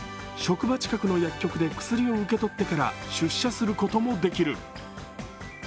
職場近くの薬局で薬を受け取ってから出社することもできる。